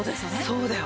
そうだよ。